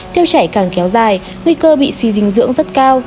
tiêu chảy càng kéo dài nguy cơ bị suy dinh dưỡng rất cao